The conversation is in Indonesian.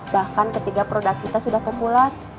bahkan ketika produk kita sudah populer